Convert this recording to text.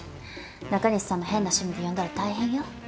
中西さんの変な趣味で呼んだら大変よ。